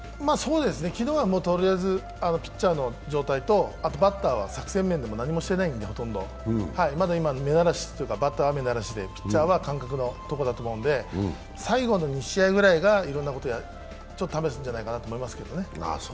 昨日はとりあえずピッチャーの状態と、あとバッターは作戦面で何もしていないんで、まだ今、バッターは目慣らしでピッチャーは感覚のところだと思うので、最後の２試合ぐらいがいろいろなことを試すんじゃないかと思いますけどね。